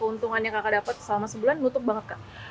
keuntungan yang kakak dapat selama sebulan nutup banget kak